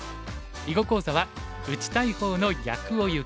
囲碁講座は「打ちたい方の逆をゆけ！」。